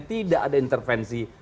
tidak ada intervensi